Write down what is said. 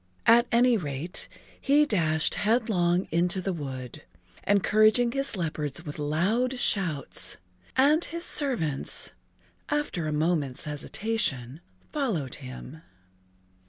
At any rate, he dashed headlong into the wood, encouraging his leopards with loud shouts, and his servants, after a moment's hesitation, followed him.